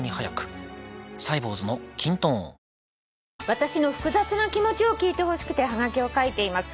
「私の複雑な気持ちを聞いてほしくてはがきを書いています。